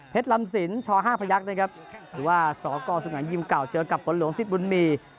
เพชรลำสินช่อห้าพระยักษ์นะครับหรือว่าสกสุภัณฑ์ยิ่มเก่าเจอกับฝนหลงสิทธิ์บุญมีย์